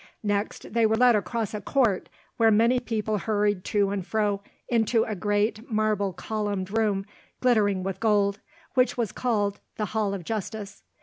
Next they were led across a court, where many people hurried to and fro, into a great marble columned room glittering with gold, which was called the Hall of Justice.